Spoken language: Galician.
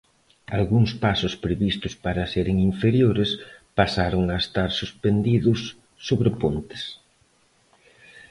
Algúns pasos previstos para seren inferiores, pasaron a estar suspendidos sobre pontes.